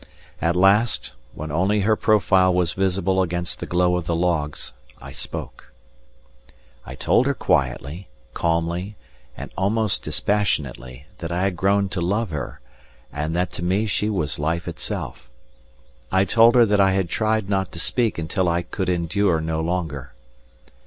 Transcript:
At last, when only her profile was visible against the glow of the logs, I spoke. I told her quietly, calmly and almost dispassionately that I had grown to love her and that to me she was life itself. I told her that I had tried not to speak until I could endure no longer.